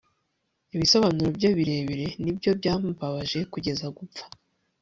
Ibisobanuro bye birebire ni byo byambabaje kugeza gupfa